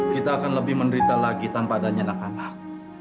kita akan lebih menderita lagi tanpa adanya anak anak